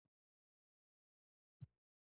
اوږده غرونه د افغانانو ژوند اغېزمن کوي.